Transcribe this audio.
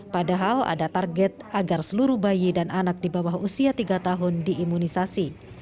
padahal ada target agar seluruh bayi dan anak di bawah usia tiga tahun diimunisasi